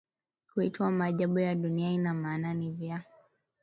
kuitwa maajabu ya dunia ina maana ni vya